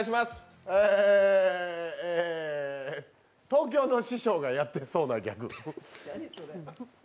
東京の師匠がやってそうなギャグ。